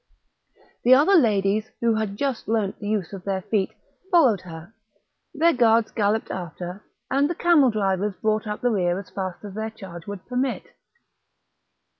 The other ladies, who had just learnt the use of their feet, followed her, their guards galloped after, and the camel drivers brought up the rear as fast as their charge would permit.